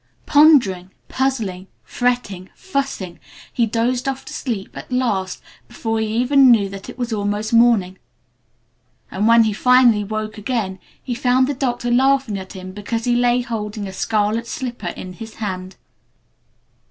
Pondering, puzzling, fretting, fussing, he dozed off to sleep at last before he even knew that it was almost morning. And when he finally woke again he found the Doctor laughing at him because he lay holding a scarlet slipper in his hand.